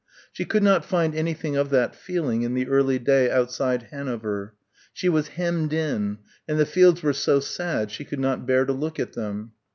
She could not find anything of that feeling in the early day outside Hanover. She was hemmed in, and the fields were so sad she could not bear to look at them.